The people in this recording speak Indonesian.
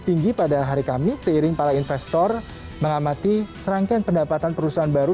tinggi pada hari kamis seiring para investor mengamati serangkaian pendapatan perusahaan baru